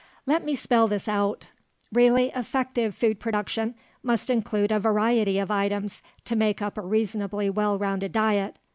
Let me spell this out. Really effective food production must include a variety of items to make up a reasonably well rounded diet.